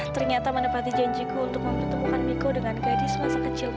ternyata menepati janjiku untuk mempertemukan miko dengan gadis masa kecil